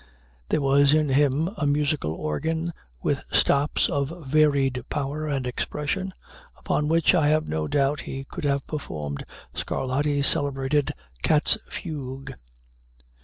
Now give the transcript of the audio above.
There was in him a musical organ with stops of varied power and expression, upon which I have no doubt he could have performed Scarlatti's celebrated cat's fugue.